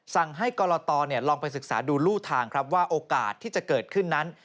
สั่งให้กรตลองไปศึกษาดูรูทางครับว่าโอกาสที่จะเกิดขึ้นนั้น